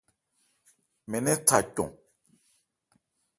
Mɛn nɛ́n tha cɔn.